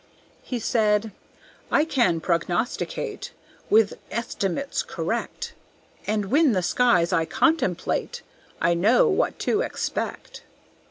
He said: "I can prognosticate With estimates correct; And when the skies I contemplate, I know what to expect.